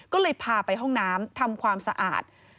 ก็เลยพาไปห้องน้ำทำความสะอาด